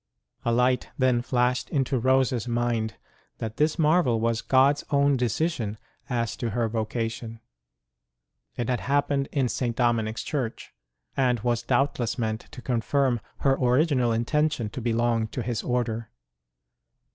A light then flashed into Rose s mind that this marvel was God s own decision as to her voca tion : it had happened in St. Dominic s Church, and was doubtless meant to confirm her original intention to belong to his Order.